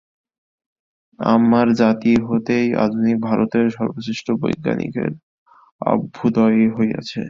আমার জাতি হইতেই আধুনিক ভারতের সর্বশ্রেষ্ঠ বৈজ্ঞানিকের অভ্যুদয় হইয়াছে।